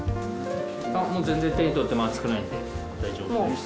もう全然手にとっても熱くないんで大丈夫です。